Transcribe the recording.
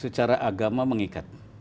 secara agama mengikat